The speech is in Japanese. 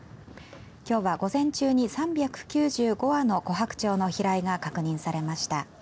きょうは午前中に３９５羽のコハクチョウの飛来が確認されました。